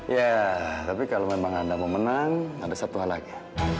ya tapi kalau memang anda mau menang ada satu hal lagi